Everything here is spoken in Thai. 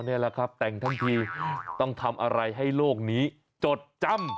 นี่แหละครับแต่งทั้งทีต้องทำอะไรให้โลกนี้จดจำ